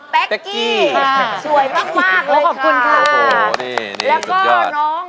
แป๊กกี้สวยมากเลยค่ะโอ้โฮขอบคุณค่ะแล้วก็น้องน้องหนุ่มครับ